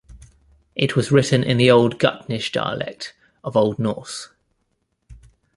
It was written in the Old Gutnish dialect of Old Norse.